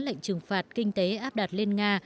lệnh trừng phạt kinh tế áp đặt lên nga